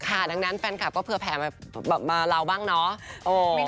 ดังนั้นแฟนคลับก็เผื่อแผลมาเราบ้างเนาะ